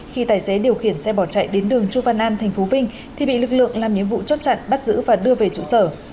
khi tài xế điều khiển xe bỏ chạy đến đường chu văn an tp vinh thì bị lực lượng làm nhiệm vụ chốt chặn bắt giữ và đưa về trụ sở